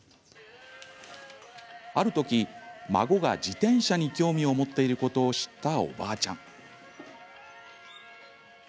あるとき、孫が自転車に興味を持っていることを知ったおばあちゃん。